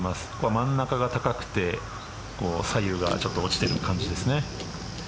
真ん中が高くて左右が落ちている感じですね。